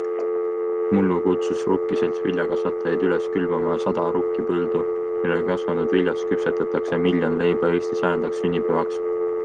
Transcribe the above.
Mullu kutsus rukkiselts viljakasvatajaid üles külvama sada rukkipõldu, millel kasvanud viljast küpsetatakse miljon leiba Eesti sajandaks sünnipäevaks.